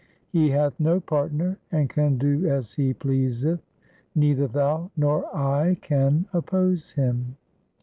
He hath no partner and can do as He pleaseth. Neither thou nor I can oppose Him.'